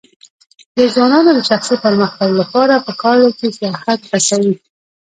د ځوانانو د شخصي پرمختګ لپاره پکار ده چې سیاحت هڅوي.